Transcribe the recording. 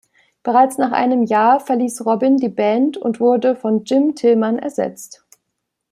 Bereits nach einem Jahr verließ Robin die Band und wurde von Jim Tillman ersetzt.